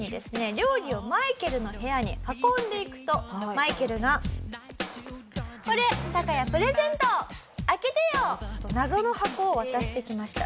料理をマイケルの部屋に運んでいくとマイケルが「これタカヤプレゼント。開けてよ」。謎の箱を渡してきました。